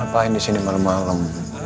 apaan disini malem malem